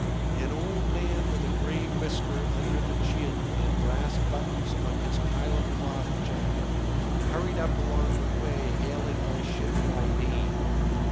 An old man with a gray whisker under the chin and brass buttons on his pilot cloth jacket, hurried up along the quay hailing my ship by name.